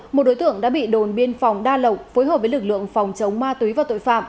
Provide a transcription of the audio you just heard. một đối tượng đã bị đồn biên phòng đa lộc phối hợp với lực lượng phòng chống ma túy và tội phạm